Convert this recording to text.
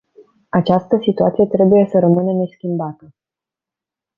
Această situație trebuie să rămână neschimbată.